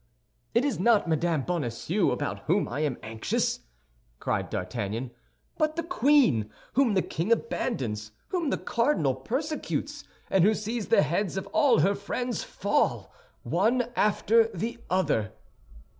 "It is not Madame Bonacieux about whom I am anxious," cried D'Artagnan, "but the queen, whom the king abandons, whom the cardinal persecutes, and who sees the heads of all her friends fall, one after the other."